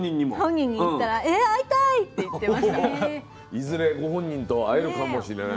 いずれご本人と会えるかもしれない。